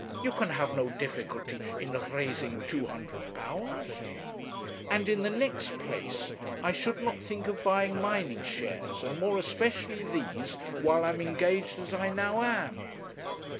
You can have no difficulty in raising £200.' 'And in the next place, I should not think of buying mining shares, and more especially these, while I am engaged as I now am.'